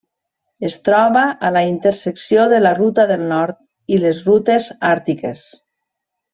Es troba a la intersecció de la ruta del nord i les rutes àrtiques.